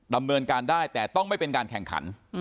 ดำเนินการได้แต่ต้องไม่เป็นการแข่งขัน